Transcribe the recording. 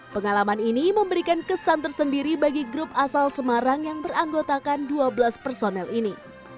pengalaman ini memberikan kesan tersendiri bagi grup asal semarang yang beranggotakan dua belas personel ini